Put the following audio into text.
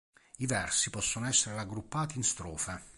I versi possono essere raggruppati in strofe.